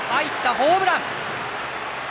ホームラン！